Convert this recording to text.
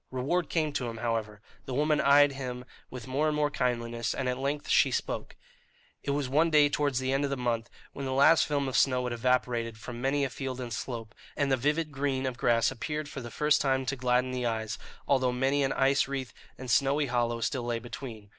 Reward came to him, however. The woman eyed him with more and more kindliness, and at length she spoke. It was one day towards the end of the month, when the last film of snow had evaporated from many a field and slope, and the vivid green of grass appeared for the first time to gladden the eyes, although many an ice wreath and snowy hollow still lay between.